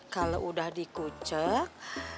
kalau udah dikucek